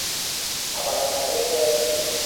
আবার আগেই চলে আসছি?